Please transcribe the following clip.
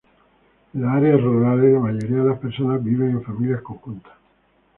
En las áreas rurales, la mayoría de las personas viven en familias conjuntas.